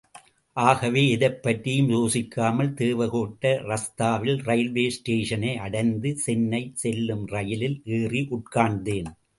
ஆகவே எதைப் பற்றியும் யோசிக்காமல் தேவகோட்டை ரஸ்தாவில் ரயில்வேஸ்டேஷனை அடைந்து சென்னை செல்லும் ரயிலில் ஏறி உட்கார்ந்தேன்.